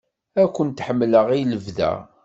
Ad ken-ḥemmleɣ i lebda!